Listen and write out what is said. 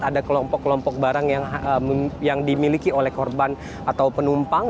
ada kelompok kelompok barang yang dimiliki oleh korban atau penumpang